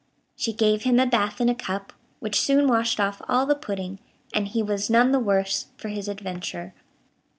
She gave him a bath in a cup, which soon washed off all the pudding, and he was none the worse for his adventure.